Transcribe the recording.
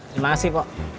terima kasih pok